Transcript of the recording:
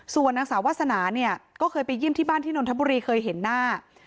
ส่วนนางสาววาสนาเนี่ยก็เคยไปเยี่ยมที่บ้านที่นนทบุรีเคยเห็นหน้า